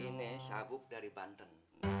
ini sabuk dari banten